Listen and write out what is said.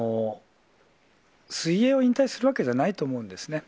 水泳を引退するわけじゃないと思うんですね。